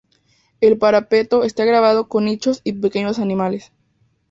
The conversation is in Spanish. El parapeto está grabado con nichos y pequeños animales.